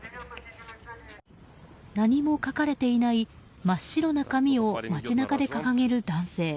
何も書かれていない真っ白な紙を街中で掲げる男性。